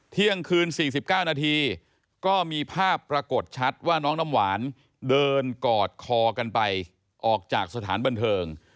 เที่ยงคืน๔๙นาทีก็มีภาพปรากฏชัดว่าน้องน้ำหวานเดินกอดคอกันไปออกจากสถานบันเทิง